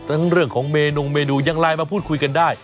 ทั้งเรื่องของเมนูเมนูยังไลน์มาพูดคุยกันได้